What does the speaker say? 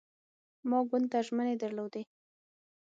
ما ګوند ته ژمنې درلودې.